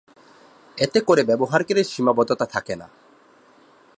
এতে করে ব্যবহারকারীর সীমাবদ্ধতা থাকে না।